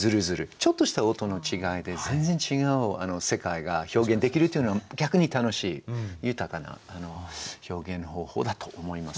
ちょっとした音の違いで全然違う世界が表現できるというのは逆に楽しい豊かな表現の方法だと思います。